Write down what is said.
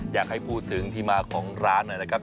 อยากให้พูดถึงที่มาของร้านหน่อยนะครับ